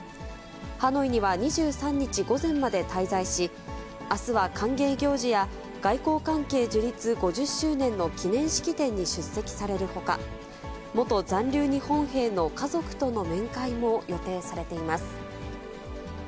ハノイには２３日午前まで滞在し、あすは歓迎行事や、外交関係樹立５０周年の記念式典に出席されるほか、元残留日本兵の家族との面会も予定されています。